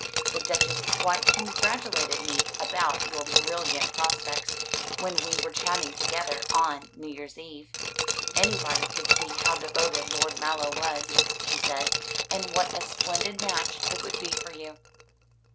The duchess quite congratulated me about your brilliant prospects, when we were chatting together on New Year's Eve. Anybody could see how devoted Lord Mallow was, she said, and what a splendid match it would be for you."